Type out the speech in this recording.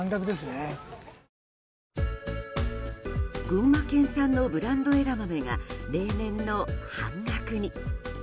群馬県産のブランド枝豆が例年の半額に。